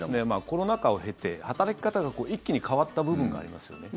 コロナ禍を経て働き方が一気に変わった部分がありますよね。